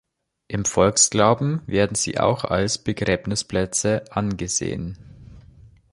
Im Volksglauben werden sie auch als Begräbnisplätze angesehen.